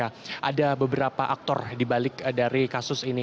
ada beberapa aktor dibalik dari kasus ini